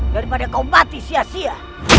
daripada kaum mati sia sia